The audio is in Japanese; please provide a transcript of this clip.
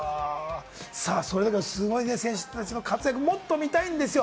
すごい選手たちの活躍をもっと見たいんですよ。